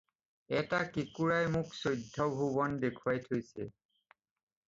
এটা কেঁকোৰাই মোক চৈধ্য ভুৱন দেখুৱাই থৈছে।